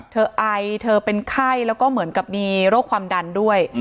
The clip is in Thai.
ไอเธอเป็นไข้แล้วก็เหมือนกับมีโรคความดันด้วย